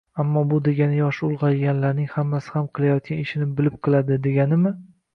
Ammo bu degani yoshi ulg‘ayganlarning hammasi ham qilayotgan ishini bilib qiladi, deganimi?